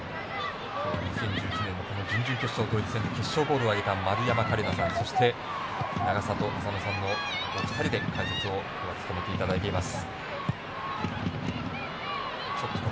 ２０１１年、準々決勝ドイツ戦決勝ゴールを挙げた丸山桂里奈さんそして永里亜紗乃さんのお二人で解説を今日は務めていただいています。